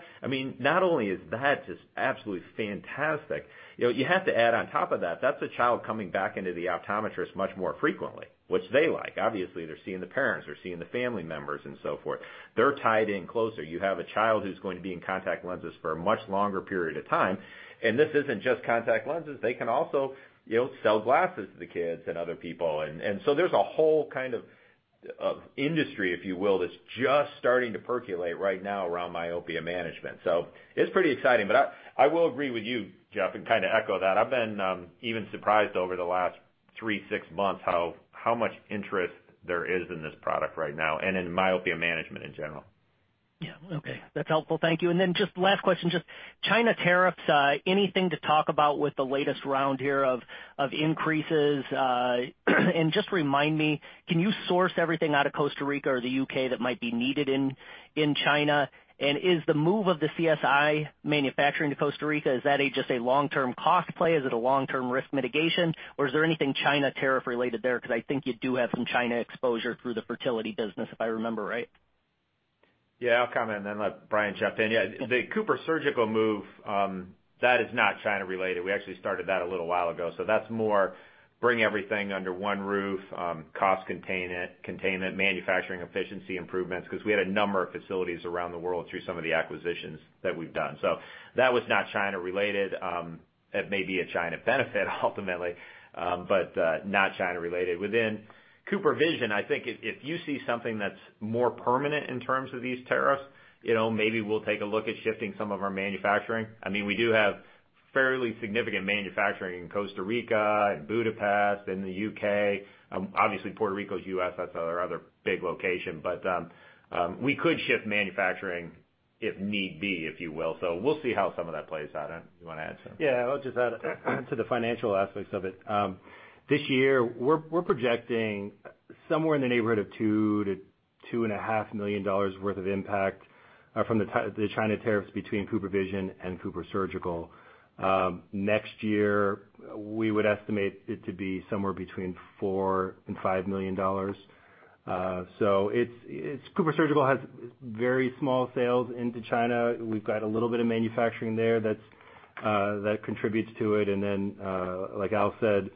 Speaker 3: not only is that just absolutely fantastic, you have to add on top of that's a child coming back into the optometrist much more frequently, which they like. Obviously, they're seeing the parents, they're seeing the family members and so forth. They're tied in closer. You have a child who's going to be in contact lenses for a much longer period of time, and this isn't just contact lenses. They can also sell glasses to the kids and other people. There's a whole kind of industry, if you will, that's just starting to percolate right now around myopia management. It's pretty exciting. I will agree with you, Jeff, and kind of echo that. I've been even surprised over the last three, six months how much interest there is in this product right now, and in myopia management in general.
Speaker 12: Yeah. Okay. That's helpful. Thank you. Just last question, just China tariffs, anything to talk about with the latest round here of increases? Just remind me, can you source everything out of Costa Rica or the U.K. that might be needed in China? Is the move of the CooperSurgical manufacturing to Costa Rica, is that just a long-term cost play? Is it a long-term risk mitigation, or is there anything China tariff related there? Because I think you do have some China exposure through the fertility business, if I remember right.
Speaker 3: Yeah, I'll comment and then let Brian jump in. Yeah, the CooperSurgical move, that is not China related. We actually started that a little while ago. That's more bring everything under one roof, cost containment, manufacturing efficiency improvements, because we had a number of facilities around the world through some of the acquisitions that we've done. That was not China related. It may be a China benefit ultimately, but not China related. Within CooperVision, I think if you see something that's more permanent in terms of these tariffs, maybe we'll take a look at shifting some of our manufacturing. We do have fairly significant manufacturing in Costa Rica and Budapest, in the U.K. Obviously Puerto Rico is U.S., that's our other big location. We could shift manufacturing if need be, if you will. We'll see how some of that plays out. You want to add something?
Speaker 4: I'll just add to the financial aspects of it. This year, we're projecting somewhere in the neighborhood of $2 to $2.5 million worth of impact from the China tariffs between CooperVision and CooperSurgical. Next year, we would estimate it to be somewhere between $4 and $5 million. CooperSurgical has very small sales into China. We've got a little bit of manufacturing there that contributes to it. Then, like Al said,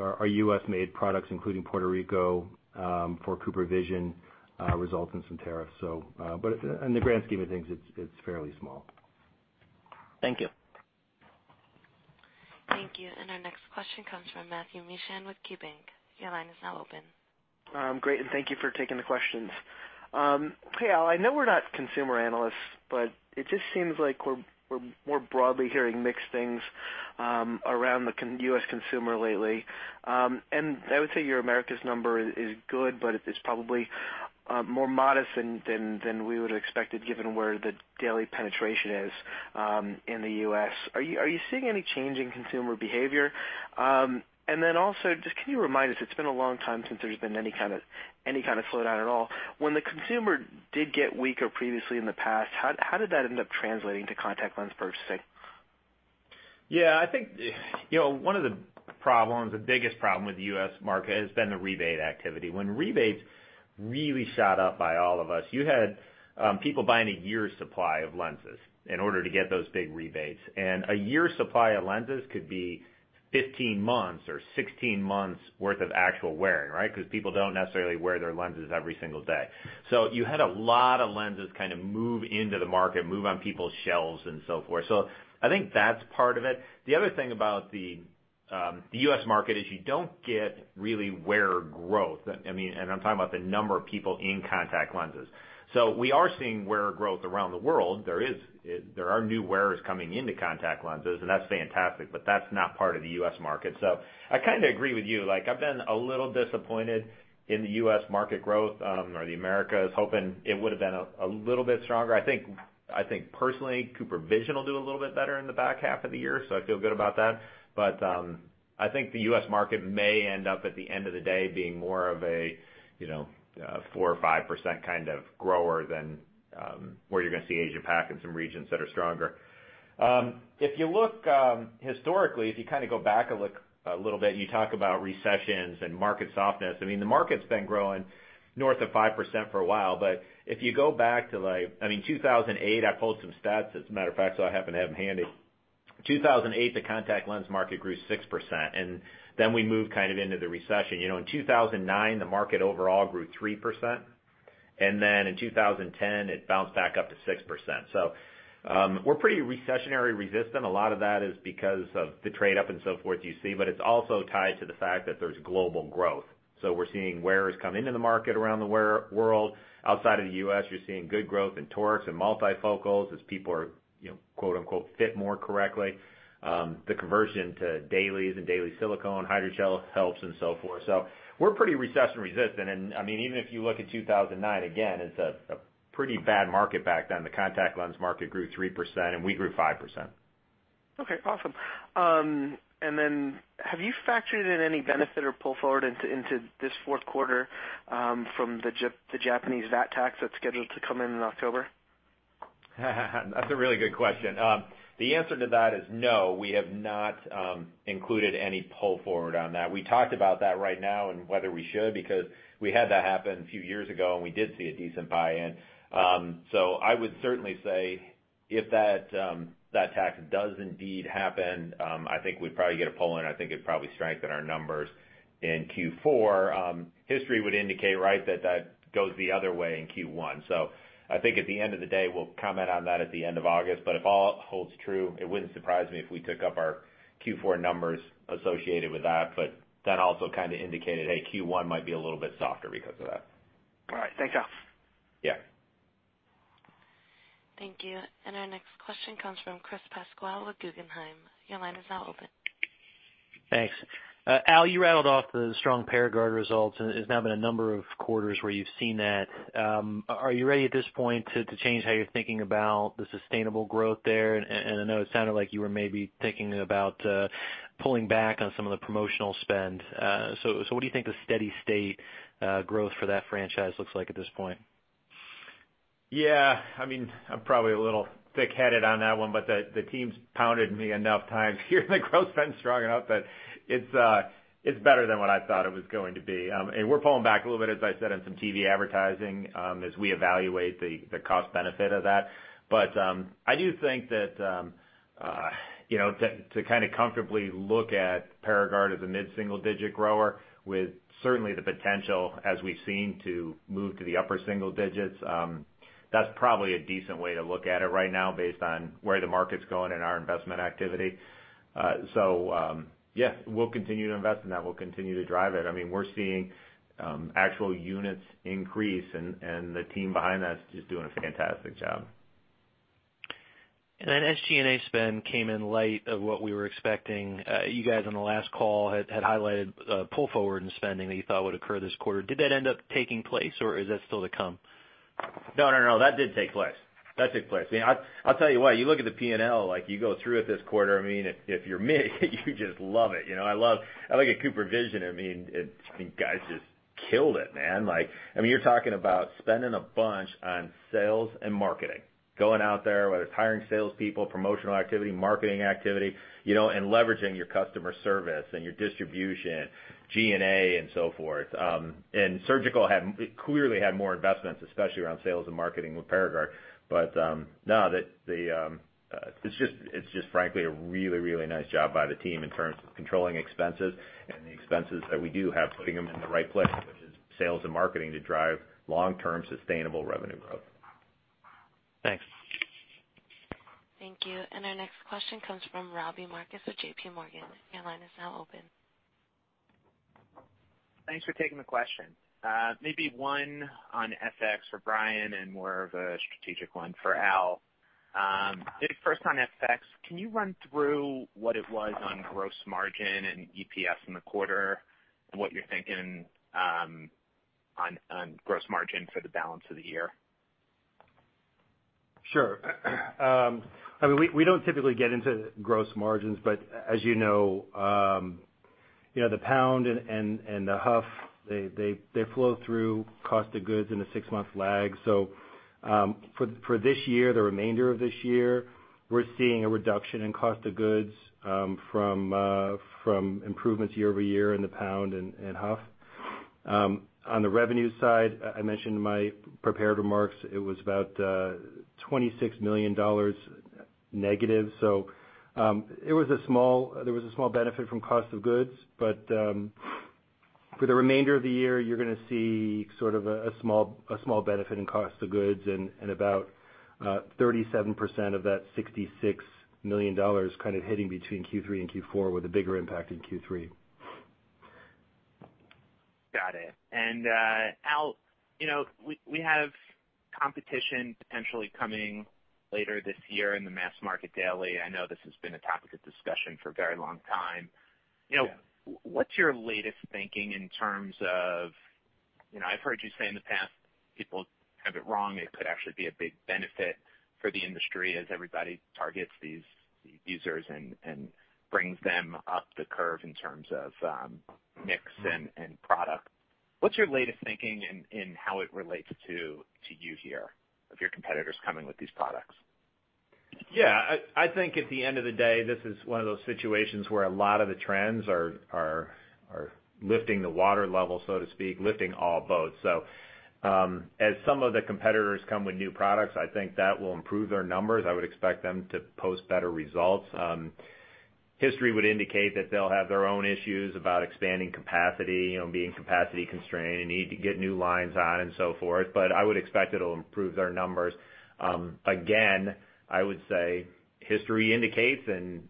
Speaker 4: our U.S.-made products, including Puerto Rico, for CooperVision results in some tariffs. In the grand scheme of things, it's fairly small.
Speaker 12: Thank you.
Speaker 1: Thank you. Our next question comes from Matthew Mishan with KeyBank. Your line is now open.
Speaker 13: Great. Thank you for taking the questions. Hey, Al, I know we're not consumer analysts, but it just seems like we're more broadly hearing mixed things around the U.S. consumer lately. I would say your Americas number is good, but it's probably more modest than we would have expected given where the daily penetration is in the U.S. Are you seeing any change in consumer behavior? Then also, just can you remind us, it's been a long time since there's been any kind of slowdown at all. When the consumer did get weaker previously in the past, how did that end up translating to contact lens purchasing?
Speaker 3: I think one of the problems, the biggest problem with the U.S. market has been the rebate activity. When rebates really shot up by all of us, you had people buying a year's supply of lenses in order to get those big rebates. A year's supply of lenses could be 15 months or 16 months worth of actual wearing, right? Because people don't necessarily wear their lenses every single day. You had a lot of lenses kind of move into the market, move on people's shelves and so forth. I think that's part of it. The other thing about the U.S. market is you don't get really wearer growth. I'm talking about the number of people in contact lenses. We are seeing wearer growth around the world. There are new wearers coming into contact lenses, and that's fantastic, but that's not part of the U.S. market. I kind of agree with you. I've been a little disappointed in the U.S. market growth, or the Americas, hoping it would have been a little bit stronger. I think personally, CooperVision will do a little bit better in the back half of the year, I feel good about that. I think the U.S. market may end up, at the end of the day, being more of a 4% or 5% kind of grower than where you're going to see Asia Pac and some regions that are stronger. If you look historically, if you kind of go back a little bit, you talk about recessions and market softness. The market's been growing north of 5% for a while. If you go back to 2008, I pulled some stats, as a matter of fact, I happen to have them handy. 2008, the contact lens market grew 6%, then we moved kind of into the recession. In 2009, the market overall grew 3%, then in 2010, it bounced back up to 6%. We're pretty recessionary resistant. A lot of that is because of the trade up and so forth you see, it's also tied to the fact that there's global growth. We're seeing wearers come into the market around the world. Outside of the U.S., you're seeing good growth in torics and multifocals as people are quote unquote fit more correctly. The conversion to dailies and daily silicone hydrogel helps and so forth. We're pretty recession resistant. Even if you look at 2009, again, it's a pretty bad market back then. The contact lens market grew 3%, and we grew 5%.
Speaker 13: Okay, awesome. Have you factored in any benefit or pull forward into this fourth quarter from the Japanese VAT tax that's scheduled to come in in October?
Speaker 3: That's a really good question. The answer to that is no, we have not included any pull forward on that. We talked about that right now and whether we should, because we had that happen a few years ago, and we did see a decent buy-in. I would certainly say if that tax does indeed happen, I think we'd probably get a pull-in. I think it'd probably strengthen our numbers in Q4. History would indicate that that goes the other way in Q1. I think at the end of the day, we'll comment on that at the end of August, but if all holds true, it wouldn't surprise me if we took up our Q4 numbers associated with that. Also kind of indicated, "Hey, Q1 might be a little bit softer because of that.
Speaker 13: All right. Thanks, Al.
Speaker 3: Yeah.
Speaker 1: Thank you. Our next question comes from Chris Pasquale with Guggenheim. Your line is now open.
Speaker 14: Thanks. Al, you rattled off the strong Paragard results, it has now been a number of quarters where you've seen that. Are you ready at this point to change how you're thinking about the sustainable growth there? I know it sounded like you were maybe thinking about pulling back on some of the promotional spend. What do you think the steady state growth for that franchise looks like at this point?
Speaker 3: Yeah. I'm probably a little thick-headed on that one, but the team's pounded me enough times here and the growth's been strong enough that it's better than what I thought it was going to be. We're pulling back a little bit, as I said, on some TV advertising, as we evaluate the cost benefit of that. I do think that to kind of comfortably look at Paragard as a mid-single-digit grower with certainly the potential as we've seen to move to the upper-single-digits, that's probably a decent way to look at it right now based on where the market's going and our investment activity. Yeah, we'll continue to invest in that. We'll continue to drive it. We're seeing actual units increase and the team behind that is just doing a fantastic job.
Speaker 14: SG&A spend came in light of what we were expecting. You guys on the last call had highlighted a pull forward in spending that you thought would occur this quarter. Did that end up taking place or is that still to come?
Speaker 3: No, that did take place. That took place. I'll tell you what, you look at the P&L, like you go through it this quarter, if you're me, you just love it. I look at CooperVision, those guys just killed it, man. You're talking about spending a bunch on sales and marketing, going out there, whether it's hiring salespeople, promotional activity, marketing activity, and leveraging your customer service and your distribution, G&A, and so forth. Surgical clearly had more investments, especially around sales and marketing with Paragard. No, it's just frankly a really, really nice job by the team in terms of controlling expenses and the expenses that we do have, putting them in the right place, which is sales and marketing to drive long-term sustainable revenue growth.
Speaker 14: Thanks.
Speaker 1: Thank you. Our next question comes from Robbie Marcus with JP Morgan. Your line is now open.
Speaker 15: Thanks for taking the question. One on FX for Brian and more of a strategic one for Al. First on FX, can you run through what it was on gross margin and EPS in the quarter and what you're thinking on gross margin for the balance of the year?
Speaker 4: Sure. We don't typically get into gross margins, as you know, the pound and the HUF, they flow through cost of goods in a six-month lag. For this year, the remainder of this year, we're seeing a reduction in cost of goods from improvements year-over-year in the pound and HUF. On the revenue side, I mentioned in my prepared remarks, it was about $26 million negative. There was a small benefit from cost of goods, for the remainder of the year, you're going to see sort of a small benefit in cost of goods and about 37% of that $66 million kind of hitting between Q3 and Q4 with a bigger impact in Q3.
Speaker 15: Got it. Al, we have competition potentially coming later this year in the mass market daily. I know this has been a topic of discussion for a very long time.
Speaker 3: Yeah.
Speaker 15: What's your latest thinking? I've heard you say in the past, people have it wrong. It could actually be a big benefit for the industry as everybody targets these users and brings them up the curve in terms of mix and product. What's your latest thinking in how it relates to you here of your competitors coming with these products?
Speaker 3: Yeah. I think at the end of the day, this is one of those situations where a lot of the trends are lifting the water level, so to speak, lifting all boats. As some of the competitors come with new products, I think that will improve their numbers. I would expect them to post better results. History would indicate that they'll have their own issues about expanding capacity, being capacity constrained, and need to get new lines on and so forth, but I would expect it'll improve their numbers. Again, I would say history indicates and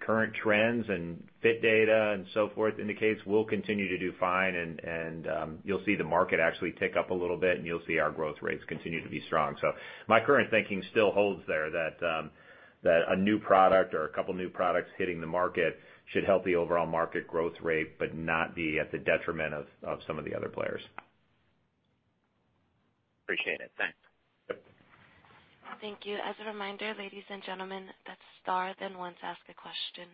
Speaker 3: current trends and fit data and so forth indicates we'll continue to do fine and you'll see the market actually tick up a little bit, and you'll see our growth rates continue to be strong. My current thinking still holds there that a new product or a couple new products hitting the market should help the overall market growth rate, but not be at the detriment of some of the other players.
Speaker 1: Thank you. As a reminder, ladies and gentlemen, that's star one to ask a question.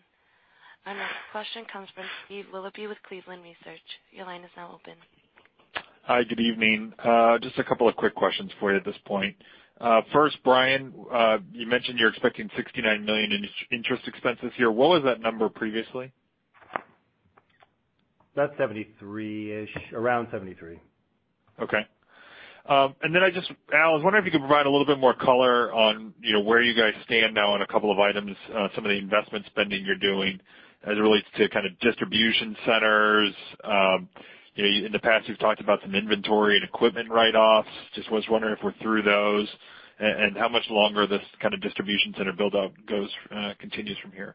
Speaker 1: Our next question comes from Steve Willoughby with Cleveland Research. Your line is now open.
Speaker 16: Hi, good evening. Just a couple of quick questions for you at this point. First, Brian, you mentioned you're expecting $69 million in interest expenses here. What was that number previously?
Speaker 3: That's 73-ish. Around 73.
Speaker 16: Okay. Al, I was wondering if you could provide a little bit more color on where you guys stand now on a couple of items, some of the investment spending you're doing as it relates to kind of distribution centers. In the past, you've talked about some inventory and equipment write-offs. Just was wondering if we're through those and how much longer this kind of distribution center buildup continues from here.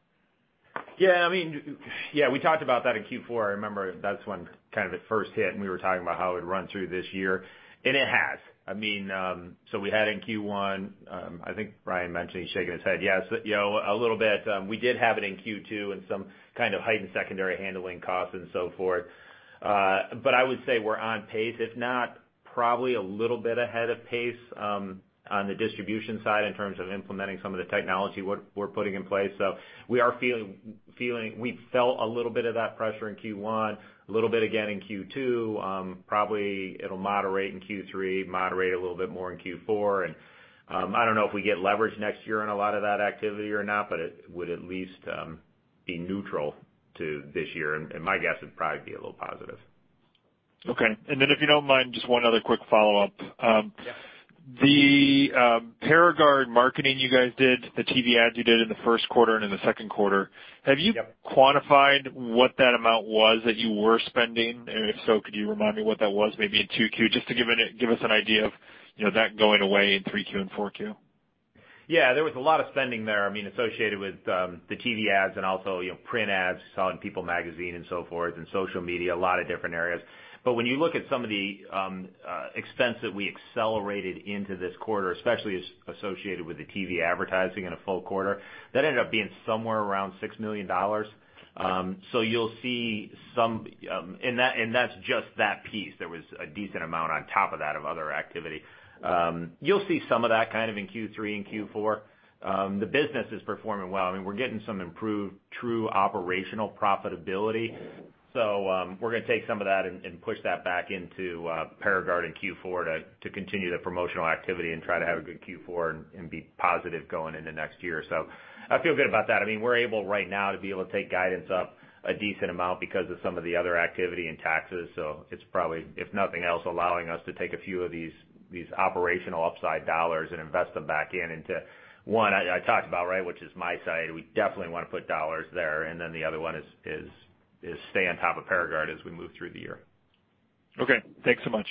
Speaker 3: We talked about that in Q4. I remember that's when kind of it first hit, and we were talking about how it would run through this year, and it has. We had in Q1, I think Brian mentioned, he's shaking his head yes, a little bit. We did have it in Q2 and some kind of heightened secondary handling costs and so forth. I would say we're on pace, if not probably a little bit ahead of pace, on the distribution side in terms of implementing some of the technology we're putting in place. We felt a little bit of that pressure in Q1, a little bit again in Q2. Probably it'll moderate in Q3, moderate a little bit more in Q4, and I don't know if we get leverage next year on a lot of that activity or not, but it would at least be neutral to this year, and my guess it'd probably be a little positive.
Speaker 16: Okay. If you don't mind, just one other quick follow-up.
Speaker 3: Yeah.
Speaker 16: The Paragard marketing you guys did, the TV ads you did in the first quarter and in the second quarter, have you quantified what that amount was that you were spending? If so, could you remind me what that was, maybe in 2Q, just to give us an idea of that going away in 3Q and 4Q?
Speaker 3: There was a lot of spending there associated with the TV ads and also print ads, saw in People magazine and so forth, and social media, a lot of different areas. When you look at some of the expense that we accelerated into this quarter, especially associated with the TV advertising in a full quarter, that ended up being somewhere around $6 million. That's just that piece. There was a decent amount on top of that of other activity. You'll see some of that kind of in Q3 and Q4. The business is performing well. We're getting some improved true operational profitability. We're going to take some of that and push that back into Paragard in Q4 to continue the promotional activity and try to have a good Q4 and be positive going into next year. I feel good about that. We're able right now to be able to take guidance up a decent amount because of some of the other activity and taxes. It's probably, if nothing else, allowing us to take a few of these operational upside dollars and invest them back in into one I talked about right, which is MiSight. We definitely want to put dollars there, and then the other one is stay on top of Paragard as we move through the year.
Speaker 16: Thanks so much.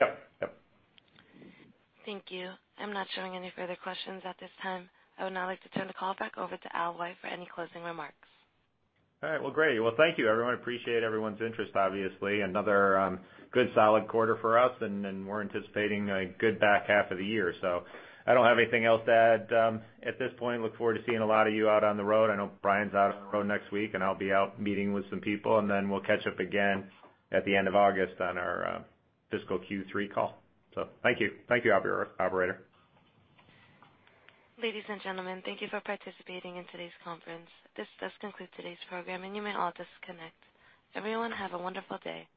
Speaker 3: Yep.
Speaker 1: Thank you. I'm not showing any further questions at this time. I would now like to turn the call back over to Al White for any closing remarks.
Speaker 3: All right. Well, great. Well, thank you, everyone. Appreciate everyone's interest, obviously. Another good solid quarter for us, and we're anticipating a good back half of the year, so I don't have anything else to add at this point. Look forward to seeing a lot of you out on the road. I know Brian's out on the road next week, and I'll be out meeting with some people, and then we'll catch up again at the end of August on our fiscal Q3 call. Thank you. Thank you, operator.
Speaker 1: Ladies and gentlemen, thank you for participating in today's conference. This does conclude today's program, and you may all disconnect. Everyone, have a wonderful day.